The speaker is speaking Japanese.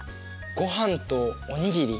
ごはんとお握り？